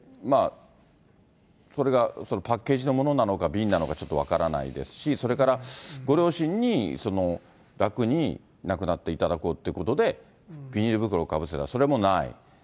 それがパッケージのものなのか、瓶なのか、ちょっと分からないですし、それからご両親に楽に亡くなっていただこうということで、ビニール袋をかぶせた、それもない。